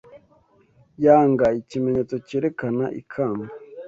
yanga Ikimenyetso cyerekana ikamba;